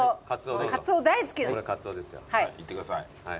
いってください。